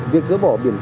việc giỡn bỏ biện pháp